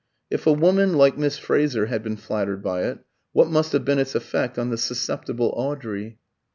If a woman like Miss Fraser had been flattered by it, what must have been its effect on the susceptible Audrey?